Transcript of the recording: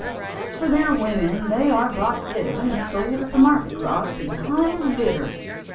As for their women they are brought hither and sold at the market cross to the highest bidder.